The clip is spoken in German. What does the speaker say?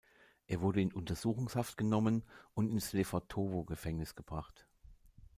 Er wurde in Untersuchungshaft genommen und ins Lefortowo-Gefängnis verbracht.